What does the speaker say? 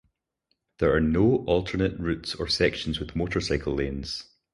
There are no alternate routes or sections with motorcycle lanes.